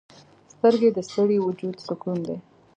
سترګې د ستړي وجود سکون دي